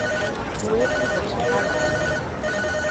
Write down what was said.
kwue ụbọchị ha ga-abịa